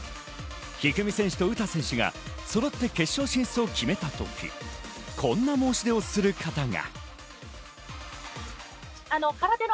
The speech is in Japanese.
一二三選手と詩選手がそろって決勝進出を決めた時、こんな申し出をする方が。